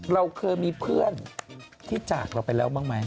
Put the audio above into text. เราเคยมีเพื่อนที่จากเราไปแล้วบ้างไหม